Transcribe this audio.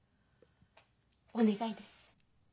お願いです。